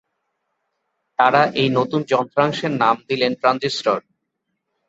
তারা এই নতুন যন্ত্রাংশের নাম দিলেন ট্রানজিস্টর।